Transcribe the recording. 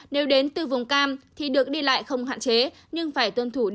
nếu đến từ vùng cam thì được đi lại không hạn chế nhưng phải tuân thủ điều kiện